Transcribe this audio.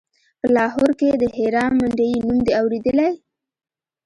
په لاهور کښې د هيرا منډيي نوم دې اورېدلى.